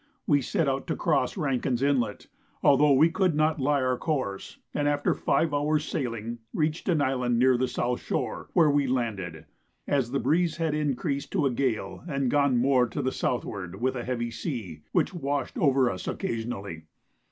We set out to cross Rankin's Inlet, although we could not lie our course, and after five hours' sailing reached an island near the south shore, where we landed, as the breeze had increased to a gale and gone more to the southward, with a heavy sea, which washed over us occasionally.